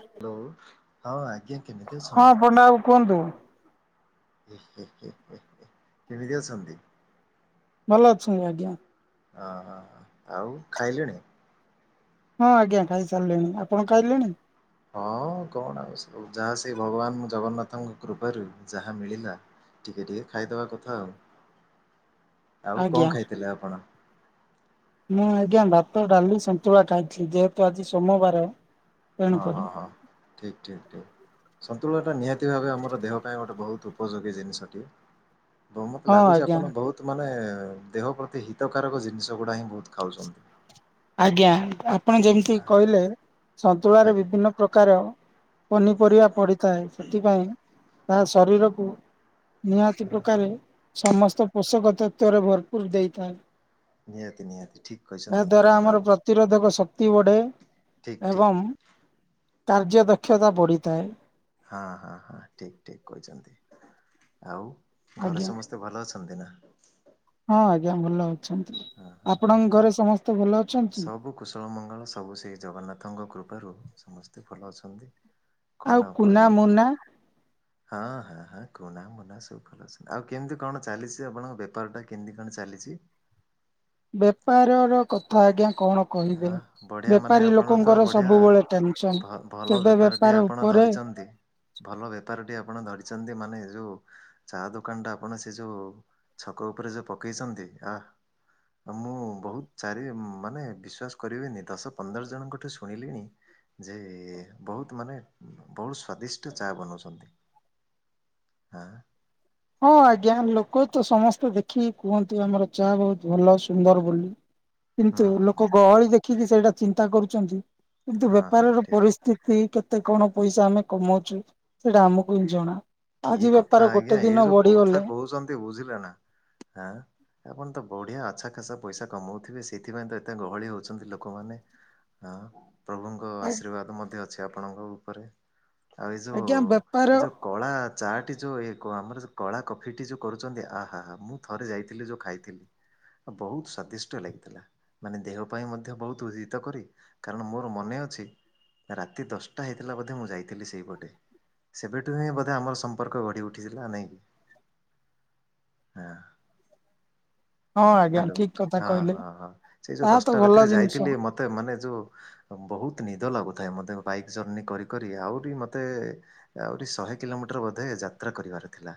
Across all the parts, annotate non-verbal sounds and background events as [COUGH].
Hello ହଁ ଆଜ୍ଞା କେମିତି ହଁ ଅଛନ୍ତି? ପଣ୍ଡା ବାବୁ କୁହନ୍ତୁ କେମିତି ଅଛନ୍ତି? ଭଲ ଅଛି ଆଜ୍ଞା। ହଁ ହଁ ହଁ ଆଉ ଖାଇଲେଣି? ହଁ ଆଜ୍ଞା ଖାଇ ସାରିଲିଣି ଆପଣ ଖାଇଲେଣି? ହଁ କଣ ଆ ଯାହା ସେ ଭଗବାନ ଜଗନ୍ନାଥ ତାଙ୍କ କୃପାରୁ ଯାହା ମିଳିଲା ଟିକେ ଟିକେ ଖାଇଦେବା କଥା ଆଉ। ଆଉ ଆଜ୍ଞା କଣ ଖାଇଥିଲେ ଆପଣ? ମୁଁ ଆଜ୍ଞା ଭାତ ଡାଲି ସନ୍ତୁଳା ଖାଇଥିଲି ଯେହେତୁ ଆଜି ସୋମବାର। ହଁ ହଁ ତେଣୁକରି ହଁ ଠିକ ଠିକ ସ ତୁଳ ଟା ନିହାତି ଭାବେ ଆମର ଦେହ ପାଇଁ ଗୋଟେ ବହୁତ ଉପଯୋଗୀ ଜିନିଷଟିଏ। ବ ମତେ ହଁ ଲାଗୁଛି ଆଜ୍ଞା ଆପଣ ବହୁତ ମାନେ ଦେହ ପ୍ରତି ହିତକାରକ ଜିନିଷ ଗୁଡା ହିଁ ବହୁତ ଖାଉଛନ୍ତି। ଆଜ୍ଞା ଆପଣ ଯେମିତି କହିଲେ ସନ୍ତୁଳାରେ ଆଜ୍ଞା ବିଭିନ୍ନ ପ୍ରକାର ପନିରିବା ପଡି ଥାଏ ସେଥିପାଇଁ ତାହା ଶରୀରକୁ ନିହାତି ପ୍ରକାରେ ସମସ୍ତ ପୋଷକ ତତ୍ଵରେ ଭରପୁର ଦେଇଥାଏ। ନିହାତି ନିହାତି। ଠିକ୍ କହିଛନ୍ତି ଏହା ଦ୍ଵାରା ଏକଦମ ଆମର ଭାବେ ପ୍ରତିରୋଧକ ଶକ୍ତି ତି ବଢେ। ଠିକ୍ ଠିକ୍। ଏବଂ। କାର୍ଯ୍ୟ ଦକ୍ଷତା ବଢ଼ିଥାଏ। ହଁ ହଁ ହଁ ଠିକ ଠିକ କହିଛନ୍ତି। ଆଉ। ଘରେ ଆଜ୍ଞା। ସମସ୍ତେ ଭଲ ଅଛନ୍ତି ନା? [UNINTELLIGIBLE] ହଁ ଆଜ୍ଞା ଭଲ ଅଛ ଅଛନ୍ତି, ହଁ ହଁ ହଁ ଆପଣଙ୍କ ଘରେ ସମସ୍ତେ ଭଲ ଅଛନ୍ତି? ସବୁ କୁଶଳ ମଙ୍ଗଳ ସବୁ ସେଇ ଜଗନ୍ନାଥଙ୍କ କୃପା ାରୁ ସମସ୍ତେ ଭଲ ଅଛନ୍ତି। କଣ ଆଉ କୁନା କହିବି ମୁନା? ହଁ ହଁ ହଁ କୁନା ମୁନା ସବୁ ଭଲ ଅଛନ୍ତି ଆଉ କେମିତି କଣ ଚାଲିଛି ଆପଣଙ୍କ ବେପାର ଟା କେମିତି କଣ ଚାଲିଛି? ବେପାର ର କଥା ଆଜ୍ଞା କଣ କହିବେ? ହ ବଢିଆ ମାନେ ବେପାରୀ ଆପଣ ତ ଲୋକଙ୍କର ବଢିଆ ସବୁବେଳେ ଟେନସନ୍। ଭଲ କେବେ ବେପାର ବେପାରଟି ଆପଣ ଉପରେ ଧରିଛନ୍ତି ଭଲ ବେପାରଟି ଆପଣ ଧରିଛନ୍ତି ମାନେ ାନ ଯୋଉ ଚା ଦୋକାନ ଟା ଆପଣ ସେ ଯୋଉ ଛକ ଉପରେ ଯୋଉ ପକେଇଛନ୍ତି ଆ ମୁଁ ବହୁତ ଚାରି ମାନେ ବି ବିଶ୍ଵାସ କରିବେନି ଦଶ ପନ୍ଦର ଜଣଙ୍କ ଠୁ ଶୁଣିଲିଣି ଯେ ବହୁତ ମାନେ ବହୁତ ସ୍ଵାଦିଷ୍ଟ ଚା ବନଉଛନ୍ତି। ହଁ ଆଜ୍ଞା ଲୋକ ତ ସମସ୍ତେ ଦେଖିକି କୁହନ୍ତିୁ ଆମର ଚାହା ବହୁତ ଭଲ ସୁନ୍ଦର ବୋଲି। ହୁଁ କିନ୍ତୁ ହୁଁ ହୁଁ ଲୋକ ଗହଳି ଦେଖିକି ସେଇଟା ଚିନ୍ତା କରୁଛନ୍ତି। କିନ୍ତୁ ହଁ ହଁ ବେପାରର ଠିକ ପରିସ୍ଥିତି କେତେ କେତେ କଣ ପଇସା ଆମେ କମାଉଛୁ ସେଇଟା ଆମକୁ ହିଁ ଜଣା। କି ଆଜି କଥା ବେପାର ଗୋଟେ ଆଜ୍ଞା ଏଇ ଦିନ ଯୋଉ କଥା ବଢିଗଲେ କହୁଛନ୍ତି ବୁଝିଲେ ନାଁ ଆଁ। ଆପଣ ତ ବଢିଆ ଆଛା ଖାସା ପଇସା କମଉଥିବେ ସେଇଥିପାଇଁ ତ ଏତେ ଗହଳି ହଉଛନ୍ତି ଲୋକମାନେ ହଁ। ପ୍ରଭୁଙ୍କ ଆଶୀର୍ବାଦ ମଧ୍ୟ ଅଛି। ଅଛି ଆପଣଙ୍କ ଉପରେ। ଆଉ ଏଇ ଯୋଉ ଆଜ୍ଞା ଏଇ ବେପାର ଯୋଉ କଳା ଚା ଟି ଯୋଉଇ କ ଆମର କଳା କଫିଟି ଯୋଉ କରୁଚନ୍ତି ଆହା ହା ହା। ମୁଁ ଥରେ ଯାଇଥିଲି ଯୋଉ ଖାଇଥିଲି ବହୁତ ସ୍ଵାଦିଷ୍ଟ ଲାଗିଥିଲା। ମାନେ ଦେହ ପାଇଁ ମଧ୍ୟ ବହୁତ ଉହିତ କରି, କାରଣ ମୋର ମନେ ଅଛି ରାତି ଦଶଟା ହେଇଥିଲା ବୋଧେ ମୁଁ ଯାଇଥିଲି ସେଇପଟେ ସେବେଠୁ ହିଁ ବୋଧେ ଆମର ସମ୍ପର୍କ ଗଢି ଉଠିଥିଲା ନେଇକି। ହଁ ଆଜ୍ଞା ହାଲୋ ଠିକ କଥା ହ କହିଲେ ହଁ ହଁ ସେଇ ଯୋଉ ତାହା ତ ଦଶଟା ରାତିରେ ଭଲ ଜିନିଷ। ଯାଇଥିଲେି ମତେ ମାନେ ଯୋଉ ବହୁତ ନିଦ ଲାଗୁ ଥାଏ। ମୋତେ ବାଇକ୍ ଜର୍ଣି କରି କରି ଆହୁରି ମୋତେ ଆହୁରି ଶହେ କିଲୋମିଟର ବୋଧେ ଯାତ୍ରା କରିବାର ଥିଲା।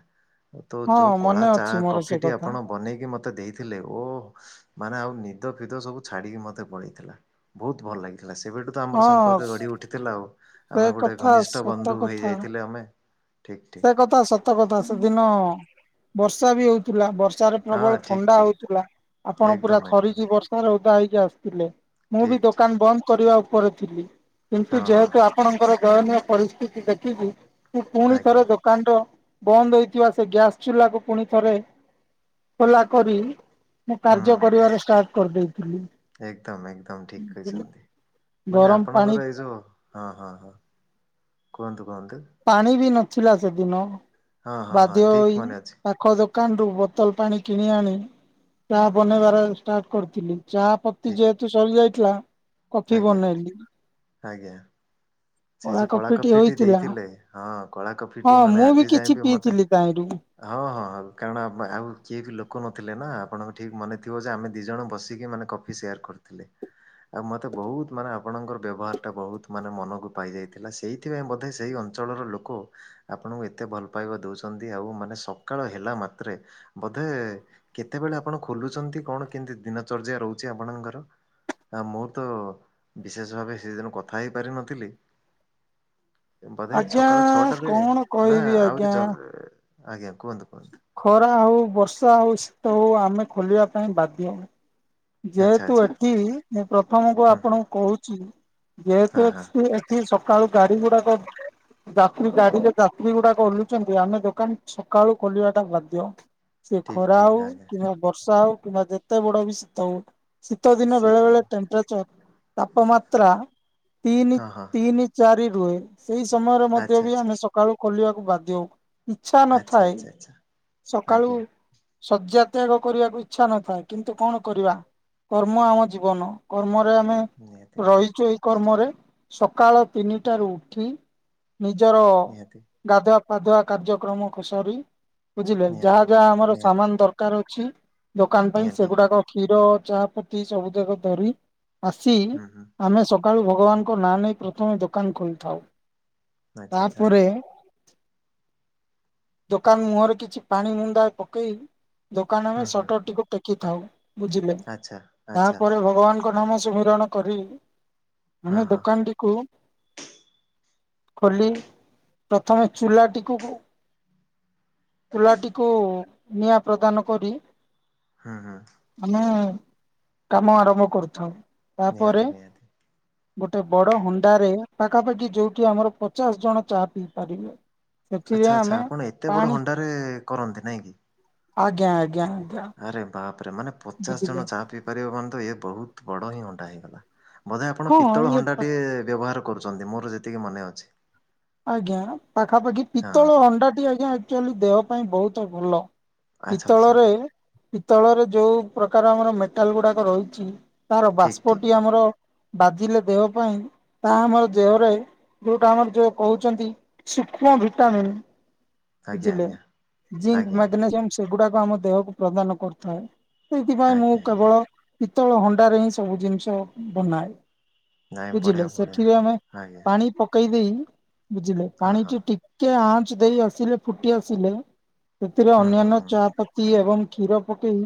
ତ ହଁ ଯୋଉ କଳା ମନେ ଚା ଅଛି ମୋର ସେ କଫିଟି କଥା ଆପଣ ବନେଇକି ମୋତେ ଦେଇଥିଲେ ଓହ। ମାନେ ଆଉ ନିଦ ଫିଦ ସବୁ ଛାଡିକି ମତେ ପଳେଇଥିଲା ବହୁତ ଭଲ ଲାଗିଥ ଥିଲା ସେବେଠୁ ତ ଆମର ହଁ ସମ୍ପର୍କ ଗଢ଼ି ଉଠିଥିଲା ଆଉ। ସେ ଆମେ ଗୋଟେ କଥା ଘନିଷ୍ଠ ସତ ବନ୍ଧୁ ହେଇ କଥା। ଯାଇଥିଲେ ଆମେ। ଠିକ୍ ଠିକ୍ ସେ କଥା ସତ କଥା ସେଦିନ ବର୍ଷା ବି ହଉଥିଲା ବର୍ଷା ର୍ଷାରେ ହଁ ପ୍ରବଳ ଠିକ୍ ଥଣ୍ଡା ଠିକ୍ ହଉଥିଲା ଆପଣ ପୁରା ଏକଦମ୍ ଏକଦମ୍ ଥରିକି ବର୍ଷାରେ ଡ଼ା ହେଇକି ଆସିଥିଲେ। ମୁଁ ବି ଠିକ୍ ଠିକ୍ ଦୋକାନ ବନ୍ଦ କରିବା କରୁଥିଲି। କିନ୍ତୁ ହଁ ହଁ ଯେହେତୁ ହଁ ଆପଣଙ୍କର ଦୟନୀୟ ପରିସ୍ଥିତି ଦେଖିକି ମୁ ପୁଣି ଆଜ୍ଞା ଥରେ ଦୋକାନ ର ବନ୍ଦ ହେଇଥିବା ସେ ଗ୍ୟାସ ଚୁଲାକୁ ପୁଣି ଥରେ, ଖୋଲା କରି ମୁଁ କାର୍ଯ୍ୟ କରିବାରେ ଷ୍ଟାର୍ଟ କରି ଦେଇ ଏକଦମ ଏକଦମ ଠିକ କହିଚନ୍ତି, ମାନେ ଗରମ ପାଣି ଆପଣଙ୍କର ଏଇ ଯୋଉ ହଁ ହଁ ହଁ। କୁହନ୍ତୁ। କୁହନ୍ତୁ ପାଣି ବି ନ ଥିଲା ସେଦିନ। ହଁ ହଁ ହଁ ବାଧ୍ୟ ଠିକ୍ ହୋଇ ମନେ ଅଛି ପାଖ ଦୋ କାନରୁୁ ବୋତଲ ପାଣି କିଣି ଆଣି, ଚା ବନେଇବାର ଷ୍ଟାର୍ଟ କରିଥିଲି। ଚା ପତି ଠିକ୍ ଯେହେତୁ ସରିଯାଇଥି ଲା। କଫି ଆଜ୍ଞା ବନେଇଲିି। ଆଜ୍ଞା। ସେ କଳା ଯୋଉ କଫିଟି ହୋଇଥିଲା। ଦେଇଥିଲେ ହଁ କଳା ହଁ କଫିଟି ମାନେ ମୁଁ ବି ଆଜି କିଛି ଯାଏଁବି ମତେ ପିଇଥିଲି ତାହିଁରୁ ହଁ ହଁ ହଁ କାରଣ ଆମେ ଆଉ କିଏ ଥିଲୁ। ଲୋକ ନଥିଲେ ନା ଆପଣଙ୍କ ଠିକ ମନେ ଥିବ ଯେ ଆମେ ଦିଇ ଜଣ ବସିକି ମାନେ କଫି ସେୟାର କରିଥିଲେ, ଆଉ ମତେ ବୋହୁତ ମାନେ ଆପଣଙ୍କର ବ୍ୟବହାର ଟା ବୋହୁତ ମାନେ ମନକୁ ପାଇଯାଇଥିଲା, ସେଇଥିପାଇଁ ବୋଧେ ସେଇ ଅଞ୍ଚଳର ଲୋକ ଆପଣଙ୍କୁ ଏତେ ଭଲ ପାଇବା ଦୋଉଚନ୍ତି, ଆଉ ମାନେ ସକାଳ ହେଲା ମାତ୍ରେ ବୋଧେ କେତେବେଳେ ଆପଣ ଖୋଲୁଚନ୍ତି, କଣ କେମିତି ଦିନଚର୍ଯ୍ୟା ରହୁଚି ଆପଣଙ୍କର ଆ ମୋରତ ବିଶେଷ ଭାବେ ସେଦିନ କଥା ହେଇ ପାରିନଥିଲି। ବୋଧେ ଆଜ୍ଞା ଛକାଳ ଛଅଟା ରେ କଣ ନା କହିବି ଆଉରି ଆଜ୍ଞା ଜଲ୍ ଆଜ୍ଞା। କୁହନ୍ତୁ କୁହନ୍ତୁ। ଖରା ହୋଉ ବର୍ଷା ହୋଉ ଶୀତ ହୋଉ ଆମେ ଖୋଲିବା ପାଇଁ ବାଧ୍ୟ ହୋଉ। ଆଚ୍ଛା ଯେହେତୁ ଆଚ୍ଛା ଏଠି ମୁଁ ପ୍ରଥମକୁ ହୁଁ ହୁଁ ଆପଣଙ୍କୁ କୋହୁଚି, ହଁ ହଁ ଯେହେତୁ ଏଠି ସକାଳୁ ଗାଡି ଗୁଡାକ ଯାତ୍ରୀ ଗାଡିରେ ଯାତ୍ରୀ ଗୁଡା ଓହ୍ଲୁଚନ୍ତି ଆମେ ଦୋକାନ ସକାଳୁ ଖୋଲିବାଟା ବାଧ୍ୟ। ସେ ଠିକ୍ ଖରା ଠିକ୍ ହୋଉ ଆଜ୍ଞା କିମ୍ବା ବର୍ଷା ହୋଉ। କିମ୍ବା ଯେତେ ବଡ। [UNINTELLIGIBLE] ଶୀତ ଦିନ ସିଏ ବେଳେ ତ ବେଳେ ଟେମ୍ପରେଚର ତାପମାତ୍ରା ତିନି, ହଁ ହଁ ତିନି ଚାରି [UNINTELLIGIBLE] ସେଇ ସମୟରେ ମଧ୍ୟ ଆଚ୍ଛା ବି ଆମେ ସକାଳୁ। ଖୋଲିବାକୁ ବାଧ୍ୟ ହୋଉ। ଇଚ୍ଛା ଆଚ୍ଛା ଆଚ୍ଛା ନଥାଏ ଆଚ୍ଛା ଆଚ୍ଛା ସକାଳୁ ଆଜ୍ଞା ଶଯ୍ୟା ତ୍ୟାଗ କରିବାକୁ ଇଚ୍ଛା ନଥାଏ କିନ୍ତୁ କଣ କରିବା କର୍ମ ଆମ ଜୀବନ କର୍ମ ଆମେ ନିହାତି ନିହାତି ରହିଚୁ ଏଇ କର୍ମରେ ସକାଳ ତିନିଟାରୁ ଉଠି ନିଜର ନିହାତି ଗାଧୁଆ ପାଧୁଆ କାର୍ଯ୍ୟକ୍ରମକୁ ସରି ବୁଝିଲେ ଯାହା ନିହାତି ଯାହା ଆମର ନିହାତି ସାମାନ ଦରକାର ଅଛି। ଦୋକାନ ପାଇଁ ନିହାତି ସେଗୁଡାକ କ୍ଷୀର ଚାହା ପତି ସବୁ ଯାକ ଧରି ଆସି ହୁଁ ହୁଁ ଆମେ ସ ସକାଳୁ ଭଗବାନଙ୍କ ନାଁ ନେଇ ପ୍ରଥମେ ଦୋକାନ ଖୋଲିଥାଉ। ଆଚ୍ଛା ଆଚ୍ଛା ତାପରେ ଦୋକାନ ମୁହଁରେ କିଛି ପାଣି ମୁନ୍ଦା ପକେଇ ଦୋକାନ ର ହୁଁ ହୁଁ ସଟରଟିକୁ ଟେ କିଥାଉ। ବୁଝିଲେ ଆଚ୍ଛା ଆଚ୍ଛା ତାପରେ ଭଗବାନ ଙ୍କ ନାମ ସୁମରଣ କରି ହଁ ଆମେ ହଁ ଦୋକାନଟିକୁ ଖୋଲି ପ୍ରଥମେ ଚୁଲାଟିକୁ ଚୁଲାଟିକୁ ନିଆଁ ପ୍ରଦାନ କରି ହୁଁ ହୁଁ ମାନେ କାମ ଆରମ୍ଭ କରୁଥାଉ। ତାପରେ ନିହାତି ନିହାତି। ଗୋଟେ ବଡ ହଣ୍ଡାରେ ପାଖାପାଖି ଯୋଉଠି ଆମର ପଚାଶ ଜଣ ଚା ପିଇ ପାରିବେ। ସେଥିରେ ଆମେ ପାଣି ରେ କରନ୍ତି ନାଇଁ କି ଆଜ୍ଞା ଆଜ୍ଞା। ଆଜ୍ଞା ଆରେ ଆରେ ମାନେ ପଚାଶ ବୁଝିଲେ ଜଣ ଚା ପିଇ ପାରିବେ ମାନେ ତ ବହୁତ ବଡ଼ ହିଁ ହାଣ୍ଡା ହେଇଗଲା। ବୋଧେ ଆପଣ ହଁ ପିତଳ ଇଏ ହଣ୍ଡା ଟିଏ ବ୍ୟବହାର କରୁଛନ୍ତି ମୋର ଯେତିକି ମନେ ଅଛି। ଆଜ୍ଞା ପାଖାପାଖି ପିତ୍ତଳ ହଁ ହଣ୍ଡାଟି ଆଜ୍ଞା ଆକଚୁଆଲି ଦେହ ପାଇଁ ବହୁତ ଭଲ। ଆଚ୍ଛା ପିତଳ ଆଚ୍ଛା ରେ ପିତ୍ତଳରେ ଯୋଉ ପ୍ରକାର ଆମର ମେଟାଲ ଗୁଡାକ ରହିଛି। ତାର ଠିକ୍ ଠିକ୍ ବାଷ୍ପଟି ଆମର ବାଜିଲେ ଦେହ ପାଇଁ ତାହା ଆମର ଦେହରେ ଯୋଉଟା ଆମର ଯୋ କହୁଛନ୍ତି ସୂକ୍ଷ୍ମ ଭିଟାମିନ୍। ଆଜ୍ଞା ବୁଝିଲେ ଆଜ୍ଞା ଜିଙ୍କ ଆଜ୍ଞା ଆଜ୍ଞା। ମେଗ୍ନେସିୟମ ସେଗୁଡା ଆମ ଦେହକୁ ପ୍ରଦାନ କରୁଥାଏ। ସେଇଥିପାଇଁ ମୁଁ ଆଜ୍ଞା ଆଜ୍ଞା କେବଳ। ପିତ୍ତଳ ହଣ୍ଡାରେ ହିଁ ସବୁ ଜିନିଷ ବନାଏ। ନାଇଁ ବୁଝିଲେ ବଢ଼ିଆ ବଢ଼ିଆ। ସେଠିରେ ଆମେ ଆଜ୍ଞା ପାଣି ପକେଇ ଦେଇ [INAUDIBLE] ବୁଝିଲେ ହଁ ପାଣି ହଁ [UNINTELLIGIBLE] ଟିକେ ଆଁ [UNINTELLIGIBLE] ଆସିଲେ ଫୁଟି ଆସିଲେ। ସେଥିରେ ହୁଁ ହୁଁ ଅନ୍ୟାନ୍ୟ ହୁଁ ଚାପତି ଏବଂ କ୍ଷୀର ପକେଇ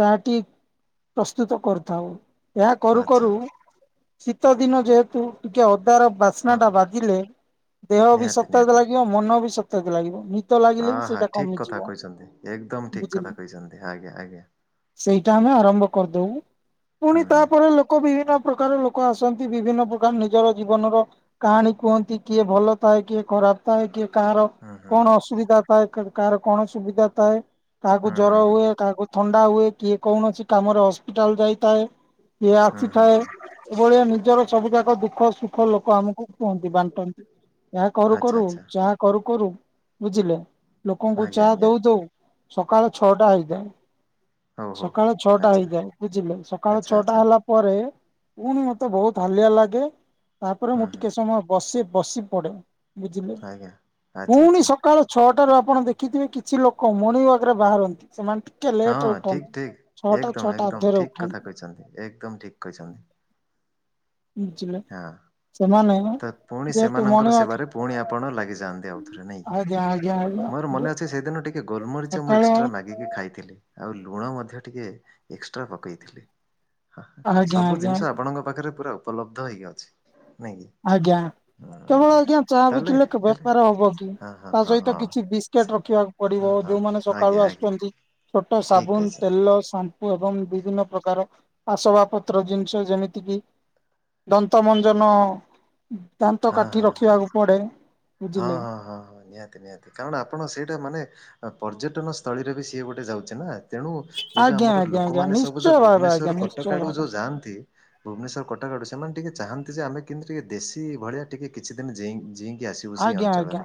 ଚାହାଟି ପ୍ରସ୍ତୁତ କରୁଥାଉ। ଏହା କରୁ ଆଚ୍ଛା କରୁ ଶୀତ ଦିନ ଯେହେତୁ ଟିକେ ଅ ତାର ବାସ୍ନା ହଁ ଟା ବାଜିଲେ ଦେହ ବି ନିହାତି ସତେଜ ଲାଗିବ ମନ [UNINTELLIGIBLE] ବି ସତେଜ ଲାଗିବ। ନି ଆହା ଠିକ କଥା କହିଚନ୍ତି ଏକଦମ ଠିକ୍ ବୁଝିଲେ। କଥା କହିଚନ୍ତି ଆଜ୍ଞା ଆଜ୍ଞା। ସେଇଟା ଆମେ ଆରମ୍ଭ କରିଦବୁ। ପୁଣି ହୁଁ ହୁଁ। ତାପରେ ଲୋକ ବିଭିନ୍ନ ପ୍ରକାର ଲୋକ ଆସନ୍ତି। ବିଭିନ୍ନ ପ୍ରକାର ନିଜର ଜୀବନର କାହାଣୀ କୁହନ୍ତି କିଏ ଭଲ ଥାଏ କିଏ ଖରାପ ଥାଏ କିଏ କାଁ ର ହୁଁ ହୁଁ ହୁଁ କଣ କାହାର କଣ ସୁବିଧା ଥାଏ? କାହାକୁ ହୁଁ ହୁଁ ଜର ହୁଏ ହୁଁ କାହାକୁ ଥଣ୍ଡା ହୁଏ କିଏ କୌଣସି କାମରେ ହସ୍ପିଟାଲ ଯାଇଥାଏ। କିଏ ହୁଁ ହୁଁ ଆସିଥାଏ ହୁଁ ଏଭଳିଆ ନି ଜର ସବୁ ଯାକ ଦୁଃଖ ସୁଖ ଲୋକ ଆମକୁ କୁହନ୍ତି, ବାଣ୍ଟନ୍ତି। ଏହା କରୁ ଆଚ୍ଛା କରୁ ଆଚ୍ଛା ଚା କରୁ କରୁ ବୁଝିଲେ ଲୋକଙ୍କୁ ଆଜ୍ଞା ଚାହା ଆଜ୍ଞା ଦଉ ଦଉ ସକାଳେ ଛଅଟା ହେଇଥାଏ। ହଉ ହଉ। ସକାଳ ଛଅଟା ଆଚ୍ଛା ହେଇଯାଏ ବୁଝିଲେ ସକାଳ ଆଚ୍ଛା ଛଅଟା ଆଚ୍ଛା ହେଲା ପରେ ପୁଣି ମତେ ବହୁତ ହାଲିଆ ଲାଗେ। ତାପରେ ହୁଁ ମୁଁ ହୁଁ ଟିକେ ସମୟ ବସି ବସି ପଡ଼େ। ବୁଝିଲେ ଆଜ୍ଞା ଆଚ୍ଛା ପୁଣି ଆଚ୍ଛା ସକାଳ ଛଅଟା ସକାଳ ରୁ ଆପଣ ଦେଖିଥିବେ କିଛି ଲୋକ ମଣିିଙ୍ଗ ୱାକ ରେ ବାହାରନ୍ତି। ସେମାନେ ଟିକେ ଲେଟରେ ହଁ ଠିକ ଉଠନ୍ତି। ଠିକ ଛଅଟା ଏକଦମ ଛଅଟା ଏକଦମ ଅଧରେ ଠିକ କଥା ଉଠନ୍ତି କହିଚନ୍ତି ଏକଦମ ଠିକ କହିଚନ୍ତି। ବୁଝିଲେ ହଁ ସେମାନେ ତ ପୁଣି ଯେହେତୁ ସେମାନଙ୍କର ମର୍ଣ୍ଣିଂ ୱାକ ସେବାରେ ପୁଣି ଆପଣ ଲାଗିଯାଆନ୍ତି ଆଉଥରେ ନାଇକି। ଆଜ୍ଞା ଆଜ୍ଞା ମୋର ଆଜ୍ଞା ମନେ ଅଛି ସେଦିନ ଟିକେ ଗୋଲମରିଚ ମୁଁ ସକାଳ ଏକ୍ସଟ୍ରା ମାଗିକି ଖାଇଥିଲି। ଆଉ ଲୁଣ ମଧ୍ୟ ଟିକେ ଏକ୍ସଟ୍ରା ପକେଇଥିଲେ। ଆଜ୍ଞା ସବୁ ଆଜ୍ଞା ଜିନିଷ ଆପଣଙ୍କ ପାଖରେ ପୁରା ଉପ ଲବ୍ଧ ହେଇକି ଅଛି। ନାଇଁ କି ଆଜ୍ଞା ହୁଁ, କେବଳ ଆଜ୍ଞା ଚା ତାହେଲେ ବିକିଲେ ହେଲେ ବେପାର ହବ କି ହଁ ହଁ ତା ହଁ ସହିତ ହଁ କିଛି ବିସ୍କେଟ ସେ- ରଖିବାକୁ ପଡିବ ହଁ ହଁ ଯୋଉମାନେ ଆଜ୍ଞା ସକାଳୁ ଆଜ୍ଞା ଆସୁଛନ୍ତି ଛୋଟ ଠିକ୍ ସାବୁନ କହିଛନ୍ତି ତେଲ ଏବଂ ବିଭିନ୍ନ ପ୍ରକାର ଆସବା ପତ୍ର ଜିନିଷ ଯେମିତିକି ଦନ୍ତମଞ୍ଜନ ଦାନ୍ତ ହଁ କାଠି ହଁ ହଁ ରଖିବାକୁ ପଡେ। ବୁଝିଲେ ହଁ ହଁ ହଁ ହଁ ନିହାତି ନିହାତି କାରଣ ଆପଣ ସେଇଟା ମାନେ ହଁ ପର୍ଯ୍ୟଟନ ସ୍ଥଳୀରେ ବି ସିଏ ଗୋଟେ ଯାଉଛି ନା? ତେଣୁ ଏ ଯୋଉ ଆଜ୍ଞା ଆମର ଆଜ୍ଞା ଆଜ୍ଞା ଲୋକମାନେ ସବୁ ନିଶ୍ଚୟ ଯୋଉ ଭାବେ ଭୁବନେଶ୍ୱର ଆଜ୍ଞା କଟକ ନିଶ୍ଚୟ ଆଡୁ ଭାବେ ଯୋଉ ଯାଆନ୍ତି ଭୁବନେଶ୍ୱର କଟକ ଆଡୁ ସେମାନେ ଟିକେ ଚାହାନ୍ତି ଯେ ଆମେ କିନ୍ତୁ ଟିକେ ଦେଶୀ ଭଳିଆ ଟିକେ କିଛି ଦିନି ଜି ଆସିବୁ ସେଇ ଆଜ୍ଞା ଆଜ୍ଞା। ଅଞ୍ଚଳରେ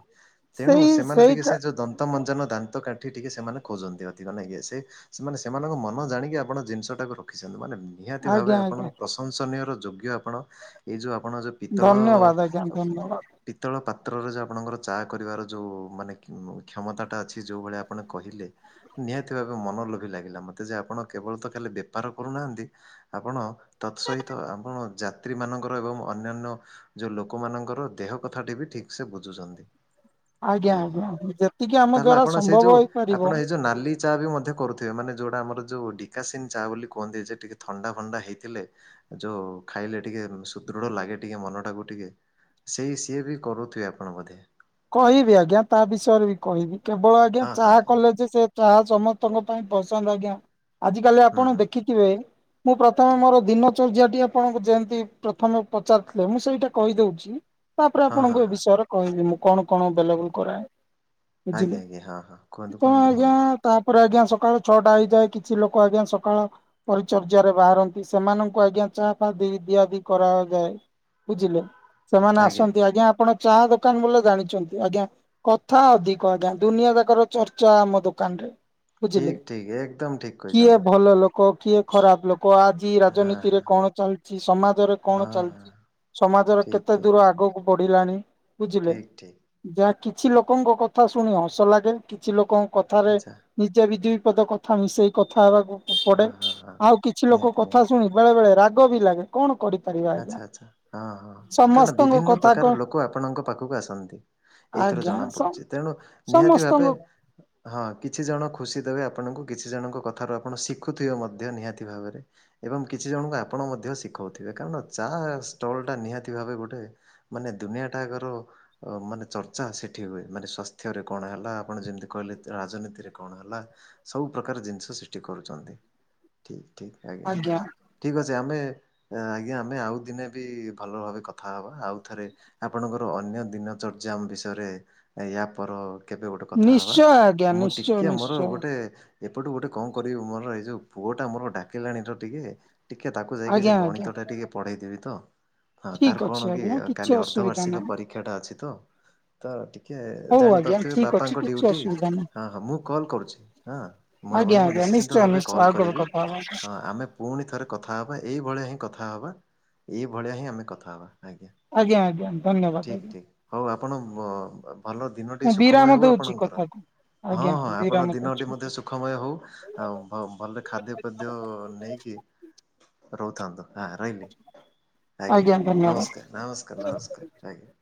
ତେଣୁ ସେଇ ସେମାନେ ସେଇ ଟିକେ ସେ ଯୋଉ ଦନ୍ତମ ଦାନ୍ତ କାଠି ଟିକେ ସେମାନେ ଖୋଜନ୍ତି ଅତି କ ସେମାନେ ସେମାନଙ୍କ ମନ ଜାଣିକି ଆପଣ ଜିନିଷ ଟାକୁ ରଖିଛନ୍ତି ମାନେ ନିହାତି ଆଜ୍ଞା ଭାବେ ଆଜ୍ଞା ଆପଣଙ୍କ ପ୍ରଶଂସନୀୟ ଯୋଗ୍ୟ ଆପଣ ଏଇ ଯୋଉ ଆପଣ ଯେଉଁ ପିତ୍ତଳ [INAUDIBLE] ମାତ୍ରରେ ଯେ ଆପଣଙ୍କର ଚା କରିବାର ଯୋଉ କ୍ଷମତା ମା ଅଛି ଯୋଉ ଭଳିଆ ଆପଣ କହିଲେ ନିହାତି ବେ ମନ ଲୋଭ ଲାଗିଲା ମତେ ଯେ ଆପଣ କେବଳ ତ ଖାଲି ବେପାର କରୁନାହାନ୍ତି ଆପଣ ତତ୍ ସହିତ ଆପଣ ଯାତ୍ରୀ ମାନଙ୍କର ଏବଂ ଅନ୍ୟାନ୍ୟ ଯୋଉ ଲୋକମାନଙ୍କର ଦେହ କଥା ଟି ବି ଠିକ ସେ ବୁଝୁଛନ୍ତି। ଆଜ୍ଞା ଆଜ୍ଞା ଯେତିକି ଆମ ତାହେଲେ ଦ୍ଵାରା ଆପଣ ସେଇ ସମ୍ଭବ ଯୋଉ ହେଇପାରିବ। ଆପଣ ଏଇ ଯୋଉ ନାଲି ଚା ବି ମଧ୍ୟ କରୁଥିବେ ମାନେ ଯୋଉଟା ଆମର ଯୋଉ ଡିକାସିନ୍ ଚା ବୋଲି କୁହନ୍ତି ଯେ ଟିକେ ଥଣ୍ଡା ଫଥଣ୍ଡା ହେଇଥିଲେ ଯୋଉ ଖାଇଲେ ଟିକେ ସୁଦୃଢ ଲାଗେ ଟିକେ ମନ ଟା କୁ ଟିକେ ସେଇ ସିଏ ବି କରୁଥିବେ ଆପଣ ବୋଧେ। କହିବି ଆଜ୍ଞା ତା ବିଷୟରେ ବି କହିବି। କେବଳ ଆଜ୍ଞା ହଁ ହଁ ଚାହା ହଁ କଲେ ଯେ ସେ ଚାହା ସମସ୍ତଙ୍କ ପାଇଁ ପସନ୍ଦ ଆଜ୍ଞା। ଆଜି କାଲି ହୁଁ ଆପଣ ହୁଁ ଦେଖିଥିବେ ମୁଁ ପ୍ରଥମେ ମୋର ଦିନ ଚର୍ଯ୍ୟା ଜେନ୍ତି ପ୍ରଥମ ପଚାର ଥିଲେ ମୁଁ ସେଇଟା କହି ଦଉଛି। ତାପରେ ହଁ ଆପଣଙ୍କୁ ହଁ ଏ ହଁ। ବିଷୟରେ କହିବି ମୁଁ। କଣ କଣ ବୁଲାବୁଲି କରାଏ? ବୁଝିଲେ ଆଜ୍ଞା ଆଜ୍ଞା ହଁ ହଁ କୁହନ୍ତୁ ତ କୁହନ୍ତୁ ଆଜ୍ଞା କୁହନ୍ତୁ ତାପରେ ଆଜ୍ଞା ସକାଳୁ ଛଅଟା ହେଇଯାଏ କିଛି ଲୋକ ଆଜ୍ଞା ସକାଳ ପରିଚର୍ଯଆ ରେ ବାହାରନ୍ତି ସେମାନଙ୍କୁ ଆଜ୍ଞା ଚାହା ଫା ଦିଆଦିଉ କରାଯାଏ ବୁଝିଲେ। ସେମାନେ ଆସନ୍ତି ଆଜ୍ଞା ଆପଣ ଚା ଦୋକାନ ବୋ ଜାଣିଛନ୍ତି ଆଜ୍ଞା କଥା ଅଧିକ ଆଜ୍ଞା ଦୁନିଆ ଯାକର ଚର୍ଚ୍ଚା ଆମ ଦୋକାନରେ। ବୁଝିଲେ ଠିକ ଠିକ ଏକଦମ ଠିକ କହିଛନ୍ତି। କ କିଏ ଖରାପ ଲୋକ କହ ଆଜି ହଁ ରାଜନୀତିରେ ହଁ କଣ ଚାଲିଛି ସମାଜରେ ହଁ କଣ ହଁ ଚାଲିଛି ସମାଜର ଠିକ୍ କେତେ ଠିକ୍ ଦୂର ଆଗକୁ ପଡିଲାନି ଠିକ୍ ଠିକ୍। ଯା କିଛି ଲୋକଙ୍କ କଥା ଶୁଣି ହସ ଲାଗେ କିଛି ଲୋକ କଥାରେ ଆଚ୍ଛା ନିଜେ ବିଧ ଦ କଥା ମିଶେଇ କଥା ହେବାକୁ ପଡେ ହଁ ହଁ ହଁ ଆଉ କିଛି ଲୋକ ନିହାତି ନିହାତି। କଥା ଶୁଣି ବେଳେ ବେଳେ ରା ଆ ବି ଲାଗେ କଣ କରିିବ ଆଛା ଆଛା ହଁ ହଁ କାରଣ ସମସ୍ତଙ୍କ ବିଭିନ୍ନ କଥା କ ପ୍ରକାର ଲୋକ ଆପଣଙ୍କ ପାଖକୁ ଆସନ୍ତି। ଏଇଥର ଆଜ୍ଞା ଜଣା ସମ ପଡୁଛି ତେଣୁ ନିହାତି ସମସ୍ତଙ୍କ ଭାବେ ହଁ କିଛି ଜଣ ଖୁସି ଦେବେ ଆପଣଙ୍କୁ କିଛି ଜଣଙ୍କ କଥାରୁ ଆପଣ ଶିଖୁଥିବେ ମଧ୍ୟ ନିହାତି ଭାବରେ ଏବଂ କିଛି ଜଣଙ୍କୁ ଆପଣ ମଧ୍ୟ ଶିଖଉଥିବେ। କାରଣ ଚା ଷ୍ଟଲ ଟା ନିହାତି ଭାବେ ଗୋଟେ ମାନେ ଦୁନିଆଟାକର ମାନେ ଚର୍ଚ୍ଚା ସେଠି ହୁଏ ମାନେ ସ୍ୱାସ୍ଥ୍ୟରେ କଣ ହେଲା ଆପଣ ଯେମିତି କହିଲେ ରାଜନୀତିରେ କଣ ହେଲା ସବୁ ପ୍ରକାର ଜିନିଷ ସେଠି କରୁଛନ୍ତି ଠିକ୍ ଠିକ ଆଜ୍ଞା ଠିକ୍ ଅଛି। ଯେ ଆମେ ଆଜ୍ଞା ଆମେ ଆଉ ଦିନେ ବି ଭଲ ଭାବେ କଥା ହେବା ଆଉଥରେ ଆପଣଙ୍କର ଅନ୍ୟ ଦିନ ଚର୍ଯ୍ୟା ବିଷୟରେ ୟାପର କେବେ ଗୋଟେ କଥା ହବା ନିଶ୍ଚୟ ଆଜ୍ଞା ମୁଁ ନିଶ୍ଚୟ ଟିକେ ମୋର ନିଶ୍ଚୟ ଗୋଟେ ଏପଟୁ ଗୋଟେ କଣ କରିବି ମୋର ଏଇ ଯେଉଁ ପୁଅଟା ମୋର ଡାକିଲାଣି ତ ଟିକେ ଟିକେ ତାକୁ ଯାଇକି ଆଜ୍ଞା ସେ ଆଜ୍ଞା। ଗଣିତ ଟିକେ ପଢେଇଦେବି ତ ହଁ ଠିକ ତାର ଅଛି କଣ କି ଆଜ୍ଞା କିଛି କାଲି ଅସୁବିଧା ଅର୍ଦ୍ଧବାର୍ଷିକ ନାହିଁ। ପରୀକ୍ଷା ଟା ଅଛି ତ ତ ଟିକେ ହଉ ଆଜ୍ଞା ଜାଣିପାରୁଥିବେ ଠିକ ଅଛି ବାପାଙ୍କ କିଛି ଡ୍ୟୁଟି ଅସୁବିଧା ନାହିଁ। ହଁ ହଁ ମୁଁ କଲ୍ କରୁଛି ହଁ ମୁଁ ଆଜ୍ଞା ଆପଣଙ୍କୁ ଆଜ୍ଞା ନିଶ୍ଚିନ୍ତ ନିଶ୍ଚୟ ଭାବେ ନିଶ୍ଚୟ କଲ୍ ଆଉ କେବେ କରିବି କଥା ହବା ହଁ ଆମେ ପୁଣି ଥରେ କଥା ହବା ଏଇଭଳିଆ ହିଁ ହବା ଏଇ ଭଳିଆ ହିଁ ଆମେ କଥା ହବା। ଆଜ୍ଞା ଆଜ୍ଞା ଧନ୍ୟବାଦ ଆଜ୍ଞା। ହଉ ଆପଣ ଭଲ ଦିନଟି ମୁଁ ସୁଖମୟ ବିରାମ ହଉ ଦଉଛି ଆପଣଙ୍କର କଥାକୁ ଆଜ୍ଞା ହଁ ହଁ ଆପଣଙ୍କ ବିରାମ ଦଉଛି ଦିନଟି ମଧ୍ୟ ସୁଖମୟ ହଉ ଆଉ ଭଲ ଖାଦ୍ୟ ପେଦ୍ୟ ନେଇକି ରହୁ। ଥାନ୍ତ। ହଁ ରହିଲି ଆଜ୍ଞା ନମସ୍କାର ନମସ୍କାର ନମସ୍କାର ଆଜ୍ଞା।